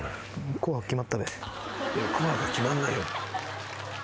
「『紅白』は決まんないよ」